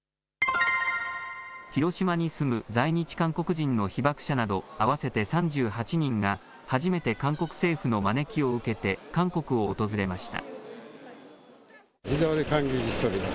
広島に住む在日韓国人の被爆者など合わせて３８人が初めて韓国政府の招きを受けて韓国を訪れました。